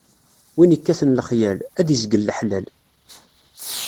Win ikkaten lexyal, ad izgel leḥlal.